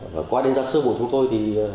và qua đánh giá sơ bộ chúng tôi thì